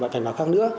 cảnh báo khác nữa